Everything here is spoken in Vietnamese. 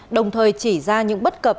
đồng thời chỉ ra những bất cập